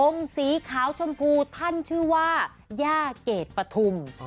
สีขาวชมพูท่านชื่อว่าย่าเกรดปฐุม